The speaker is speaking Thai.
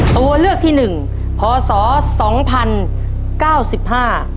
ตัวเลือกที่หนึ่งพศสองพันเก้าสิบห้า